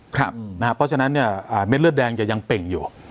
ครับอืมนะฮะเพราะฉะนั้นเนี่ยอ่าเม็ดเลือดแดงจะยังเป่งอยู่